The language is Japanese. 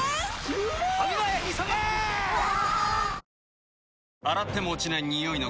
うわ！